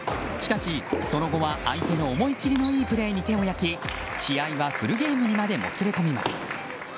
しかし、その後は相手の思い切りのいいプレーに手を焼き、試合はフルゲームにまでもつれ込みます。